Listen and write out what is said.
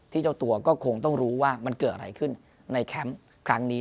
เจ้าตัวก็คงต้องรู้ว่ามันเกิดอะไรขึ้นในแคมป์ครั้งนี้